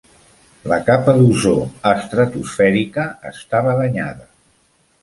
La capa d'ozó estratosfèrica estava danyada.